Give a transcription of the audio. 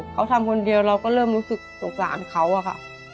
เขาทำคนเดียวเราก็เริ่มรู้สึกสงสารเขาอะค่ะ